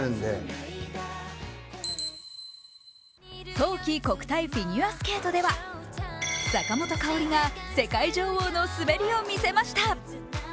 冬季国体フィギュアスケートでは坂本花織が世界女王の滑りをみせました。